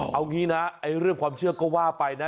เอางี้นะเรื่องความเชื่อก็ว่าไปนะ